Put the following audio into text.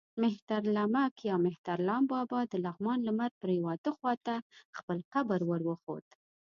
مهترلمک یا مهترلام بابا د لغمان لمر پرېواته خوا ته خپل قبر ور وښود.